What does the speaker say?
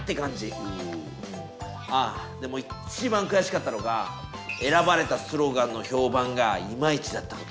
ああでも一番くやしかったのが選ばれたスローガンの評判がイマイチだったこと。